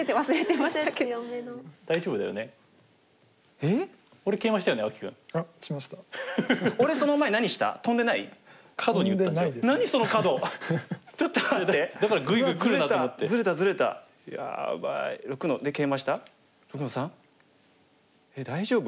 えっ大丈夫？